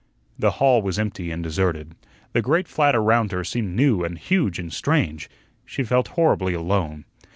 The hall was empty and deserted. The great flat around her seemed new and huge and strange; she felt horribly alone.